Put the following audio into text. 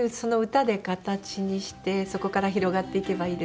歌で形にしてそこから広がっていけばいいですし